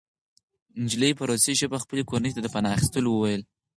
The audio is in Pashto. نجلۍ په روسي ژبه خپلې کورنۍ ته د پناه اخیستلو وویل